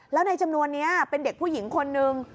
แล้วในจำนวนนี้เป็นเด็กผู้หญิงคนนึง